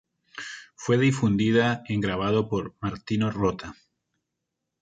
Fue difundida en grabado por Martino Rota.